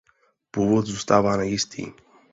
Původ zůstává nejistý.